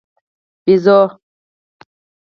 🐒بېزو